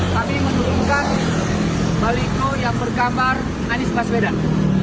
kami menurunkan baliho yang bergambar anis baswedan